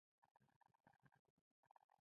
باز ډېر ژر ښکار احساسوي